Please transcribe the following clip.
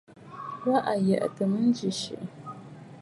Wâ à yə̀tə̂ mə ŋgɨʼɨ siʼi.